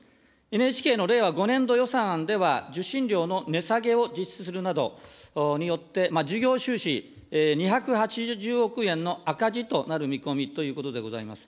ＮＨＫの令和５年度予算案では、受信料の値下げを実施するなどによって、事業収支２８０億円の赤字となる見込みということでございます。